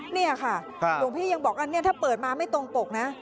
นี่ค่ะหลวงพี่ยังบอกว่าถ้าเปิดมาไม่ตรงปกนะ